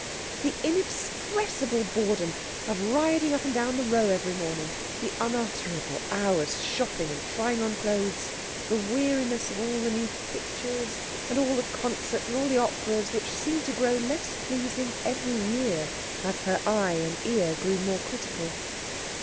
The inexpressible boredom of riding up and down the Row every morning, the unutterable hours shopping and trying on clothes, the weariness of all the new pictures, and all the concerts, and all the operas, which seemed to grow less pleasing every year, as her eye and ear grew more critical.